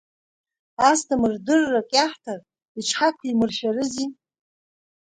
Асҭамыр дыррак иаҳҭар иҽҳакәимыршәарызи?